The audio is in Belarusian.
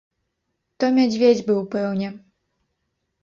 То мядзведзь быў, пэўне.